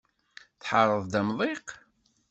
Tḥerreḍ-d amḍiq.